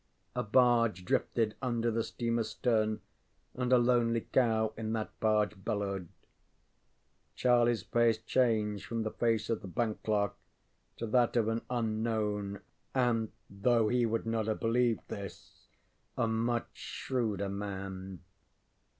A barge drifted under the steamerŌĆÖs stern and a lonely cow in that barge bellowed. CharlieŌĆÖs face changed from the face of the bank clerk to that of an unknown and though he would not have believed this a much shrewder man.